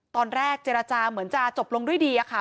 ตอนแรกเจรจาเหมือนจะจบลงด้วยดีอะค่ะ